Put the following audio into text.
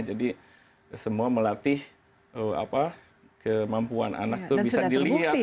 jadi semua melatih kemampuan anak tuh bisa dilihat gitu